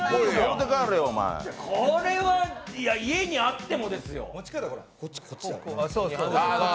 これは家にあってもですよ。